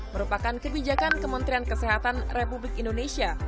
merupakan kebijakan kementerian kesehatan republik indonesia